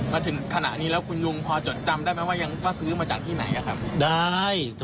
มาถึงขณะนี้แล้วคุณลุงพอจดจำได้ไหมว่ายังว่าซื้อมาจากที่ไหนอะครับได้